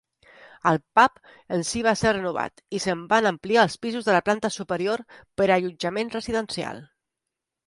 El pub en si va ser renovat i se'n van ampliar els pisos de la planta superior per a allotjament residencial.